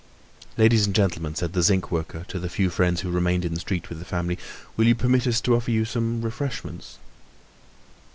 "Ladies and gentlemen," said the zinc worker to the few friends who remained in the street with the family, "will you permit us to offer you some refreshments?"